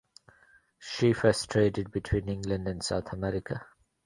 She first traded between England and South America.